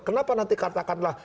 kenapa nanti katakanlah